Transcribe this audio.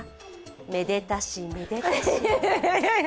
めでたしめでたし。